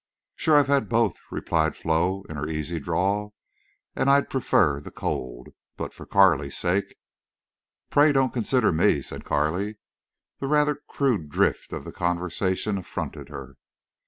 "Shore I've had both," replied Flo, in her easy drawl, "and I'd prefer the cold. But for Carley's sake—" "Pray don't consider me," said Carley. The rather crude drift of the conversation affronted her.